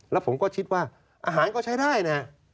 แล้วผมก็คิดว่าอาหารก็ใช้ได้นะ